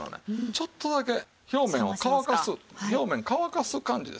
ちょっとだけ表面を乾かす表面乾かす感じですね。